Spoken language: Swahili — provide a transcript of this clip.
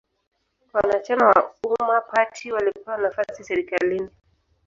Wanachama wa Umma party walipewa nafasi serikalini